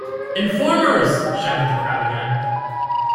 ‘Informers!’ shouted the crowd again.